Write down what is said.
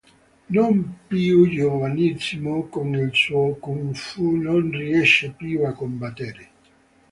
Non più giovanissimo, con il suo Kung Fu non riesce più a combattere.